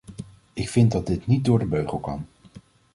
Ik vind dat dit niet door de beugel kan!